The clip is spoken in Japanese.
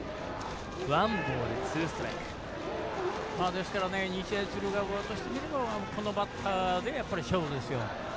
ですから日大鶴ヶ丘としてみればこのバッターで勝負ですよ。